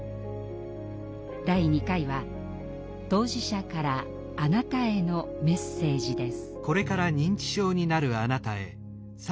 第２回は当事者からあなたへのメッセージです。